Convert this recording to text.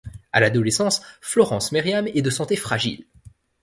À l'adolescence, Florence Merriam est de santé fragile.